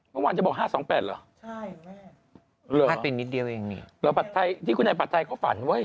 เมื่อวานจะบอก๕๒๘หรอใช่แม่หาตินนิดเดียวเองนี่แล้วปัจไทยที่คุณไทยปัจไทยก็ฝันเว้ย